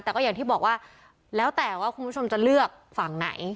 แต่ก็อย่างที่บอกว่าแล้วแต่ว่าคุณผู้ชมจะเลือกฝั่งไหน